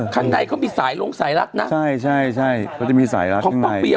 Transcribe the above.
ข้างในเขามีสายลงสายลักษณ์นะ